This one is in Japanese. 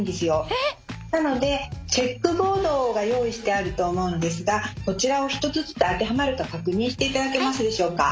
ええ！？なのでチェックボードが用意してあると思うのですがそちらを１つずつ当てはまるか確認していただけますでしょうか。